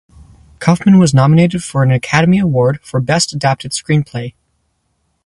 Kaufman was nominated for an Academy Award for Best Adapted Screenplay.